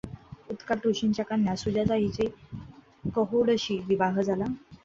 उद्दालक ऋषींची कन्या सुजाता हिचा कहोडशी विवाह झाला.